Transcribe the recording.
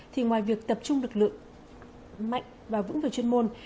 thì ngoài việc tập trung lực lượng mạnh và vững về chuyên môn